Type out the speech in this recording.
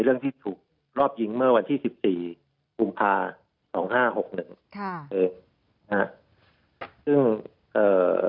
เรื่องที่ถูกรอบยิงเมื่อวันที่๑๔ภูมิภา๒๕๖๑ค่ะซึ่งเอ่อ